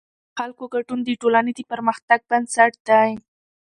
د خلکو ګډون د ټولنې د پرمختګ بنسټ دی